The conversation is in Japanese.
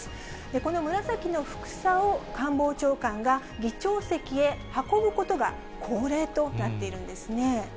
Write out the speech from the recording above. この紫のふくさを官房長官が議長席へ運ぶことが恒例となっているんですね。